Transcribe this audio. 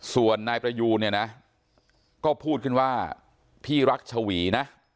ส่วนนายประยูนเนี่ยนะก็พูดขึ้นว่าพี่รักชวีนะ